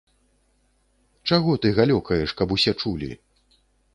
Чаго ты галёкаеш, каб усе чулі.